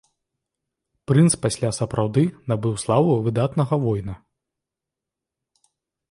Прынц пасля сапраўды набыў славу выдатнага воіна.